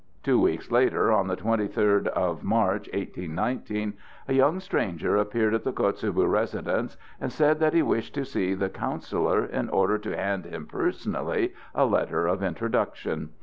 Two weeks later, on the twenty third of March, 1819, a young stranger appeared at the Kotzebue residence, and said that he wished to see the councillor in order to hand him personally a letter of introduction.